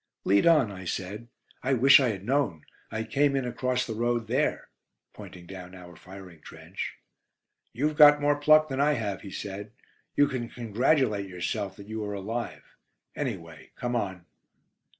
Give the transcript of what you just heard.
'" "Lead on," I said. "I wish I had known. I came in across the road there," pointing down our firing trench. "You've got more pluck than I have," he said. "You can congratulate yourself that you are alive. Anyway, come on."